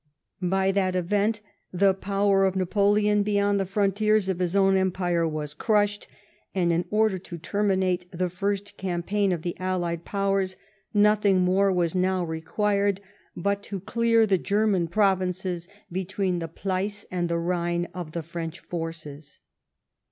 By that event, the power of Napoleon beyond the frontiers of his own empire was crushed, and in order to terminate the first •campaign of the Allied Powers, nothing more was now required but to clear the German provinces between the Pleiss and the Ithiue of the French forces."